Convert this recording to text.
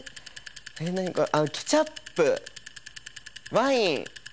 何かあっケチャップワイン